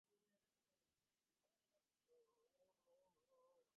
ঈশ্বরের দয়া সকলেরই উপর রয়েছে, কিন্তু পাপ তাঁকে স্পর্শ করতে পারে না।